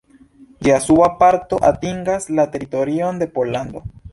Ĝia suba parto atingas la teritorion de Pollando.